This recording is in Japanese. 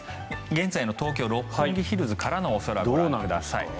現在の東京・六本木ヒルズからのお空ご覧ください。